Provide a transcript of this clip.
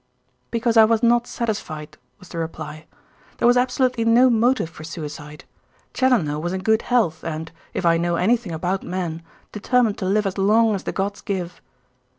"Because I was not satisfied," was the reply. "There was absolutely no motive for suicide. Challoner was in good health and, if I know anything about men, determined to live as long as the gods give."